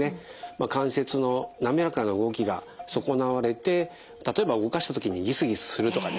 関節の滑らかな動きが損なわれて例えば動かした時にギスギスするとかですね